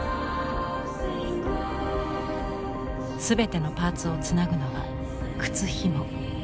全てのパーツをつなぐのは靴ひも。